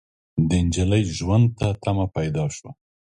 د نجلۍ ژوند ته تمه پيدا شوه.